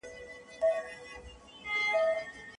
تېر وخت تېر سو، نن ورځي ته پام وکړئ.